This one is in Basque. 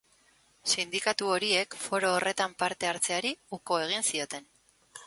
Sindikatu horiek foro horretan parte hartzeari uko egin zioten.